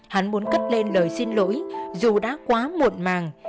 hắn muốn cất lên lời xin lỗi dù đã quá muộn màng